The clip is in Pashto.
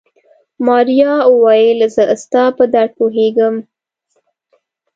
ماريا وويل زه ستا په درد پوهېږم.